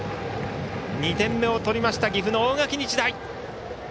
２点目を取りました岐阜の大垣日大。